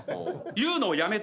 言うのをやめて。